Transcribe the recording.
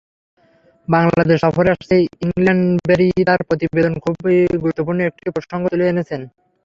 বাংলাদেশ সফরে আসছে ইংল্যান্ডবেরি তাঁর প্রতিবেদনে খুবই গুরুত্বপূর্ণ একটি প্রসঙ্গ তুলে এনেছেন।